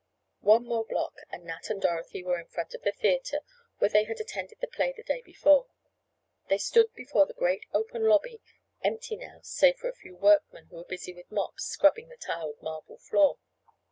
One more block and Nat and Dorothy were in front of the theatre where they had attended the play the day before. They stood before the great open lobby, empty now save for a few workmen who were busy with mops scrubbing the tiled marble floor.